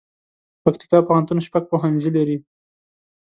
پکتيکا پوهنتون شپږ پوهنځي لري